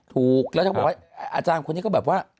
ถูกแล้วถ้าบอกว่าอาจารย์คนนี้ก็แบบว่า